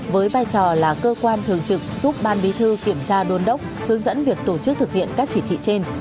với vai trò là cơ quan thường trực giúp ban bí thư kiểm tra đôn đốc hướng dẫn việc tổ chức thực hiện các chỉ thị trên